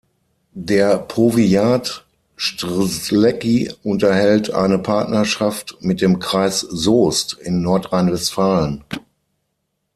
Der Powiat Strzelecki unterhält eine Partnerschaft mit dem Kreis Soest in Nordrhein-Westfalen.